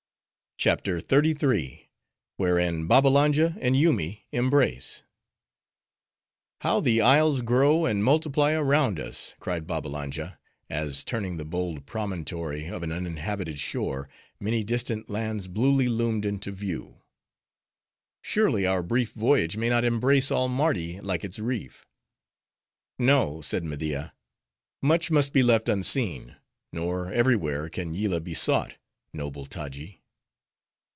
CHAPTER XXXIII. Wherein Babbalanja And Yoomy Embrace "How the isles grow and multiply around us!" cried Babbalanja, as turning the bold promontory of an uninhabited shore, many distant lands bluely loomed into view. "Surely, our brief voyage, may not embrace all Mardi like its reef?" "No," said Media, "much must be left unseen. Nor every where can Yillah be sought, noble Taji."